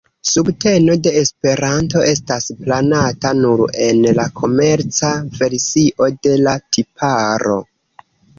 Subteno de Esperanto estas planata nur en la komerca versio de la tiparo.